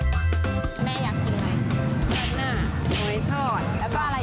ขนาดหมอยทอดแล้วก็อะไรอีก